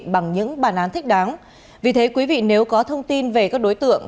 bằng những bản án thích đáng vì thế quý vị nếu có thông tin về các đối tượng